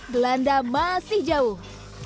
gelanda masih jauh